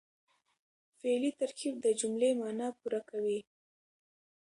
فعلي ترکیب د جملې مانا پوره کوي.